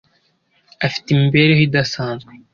afite imibereho idasanzwe.